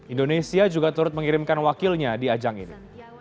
indonesia juga turut mengirimkan wakilnya di ajang ini